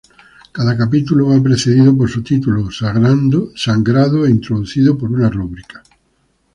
Cada capítulo va precedido por su título, sangrado e introducido por una rúbrica.